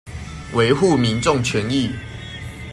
維護民眾權益